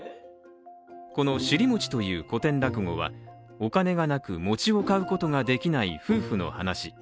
この「尻餅」という古典落語はお金がなく餅を買うことができない夫婦の話。